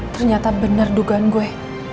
ternyata bener dugaan gue